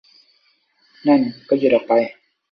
นั่นก็ยืดออกไป